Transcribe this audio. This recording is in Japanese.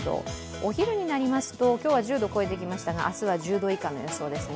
お昼になりますと今日は１０度超えてきましたが明日は１０度以下の予想ですね。